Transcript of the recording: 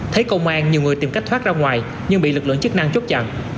thấy công an nhiều người tìm cách thoát ra ngoài nhưng bị lực lượng chức năng chốt chặn